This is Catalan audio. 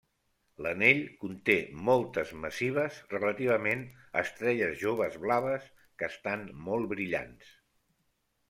L'anell conté moltes massives, relativament estrelles joves blaves, que estan molt brillants.